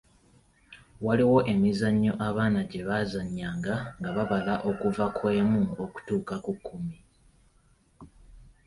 Waliwo emizannyo abaana gye baazannyanga nga babala okuva ku emu okutuuka ku kkumi.